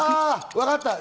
わかった。